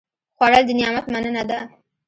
خوړل د نعمت مننه ده